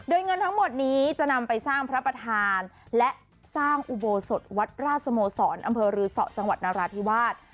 โดยเงินทั้งหมดนี้จะนำไปสร้างพระประธานและสร้างอุโบสถวัดราชสโมสรอำเภอรือสอจังหวัดนราธิวาส